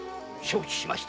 承知しました。